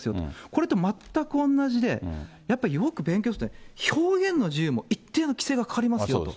これと全く同じで、やっぱりよく勉強して、表現の自由も一定の規制がかかりますよと。